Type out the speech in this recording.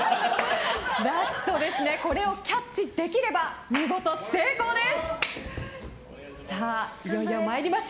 ラストこれをキャッチできれば見事、成功です！